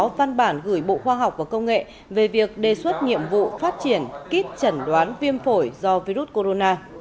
quân y có văn bản gửi bộ khoa học và công nghệ về việc đề xuất nhiệm vụ phát triển kít chẩn đoán viêm phổi do virus corona